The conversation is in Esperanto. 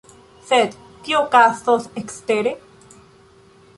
Sed kio okazos ekstere?